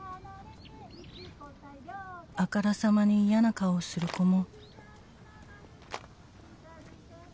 「あからさまに嫌な顔する子も」